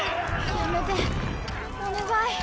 やめてお願い。